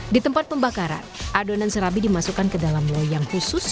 di tempat pembakaran adonan serabi dimasukkan ke dalam loyang khusus